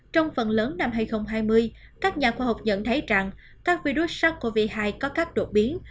trong phần lớn năm hai nghìn hai mươi các nhà khoa học nhận thấy rằng các virus sars cov hai có các đột biến